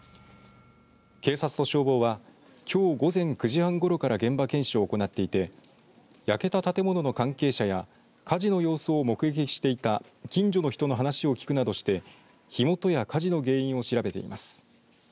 警察と消防はきょう午前９時半ごろから現場検証を行っていて焼けた建物の関係者や火事の様子を目撃していた近所の人の話を聞くなどして火元や火事の原因を調べています。